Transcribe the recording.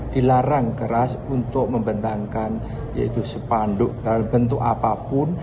dilarang keras untuk membentangkan yaitu sepanduk dalam bentuk apapun